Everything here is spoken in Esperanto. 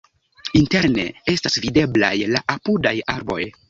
Interne estas videblaj la apudaj arboj.